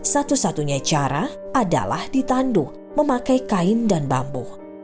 satu satunya cara adalah ditandu memakai kain dan bambu